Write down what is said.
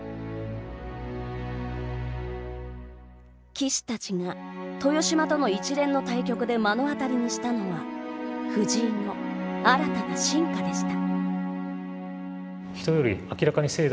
棋士たちが豊島との一連の対局で目の当たりにしたのは藤井の新たな進化でした。